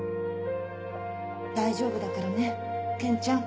大丈夫だからね研ちゃん。